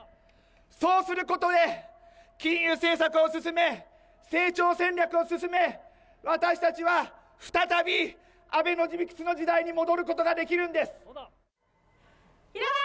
そうすることで、金融政策を進め、成長戦略を進め、私たちは再びアベノミクスの時代に戻ることができるんです。